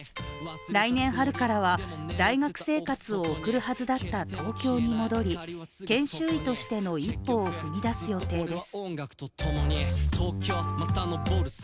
来年春からは、大学生活を送るはずだった東京に戻り研修医としての一歩を踏み出す予定です。